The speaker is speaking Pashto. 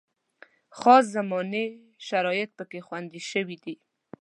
خاص زماني شرایط پکې خوندي شوي دي.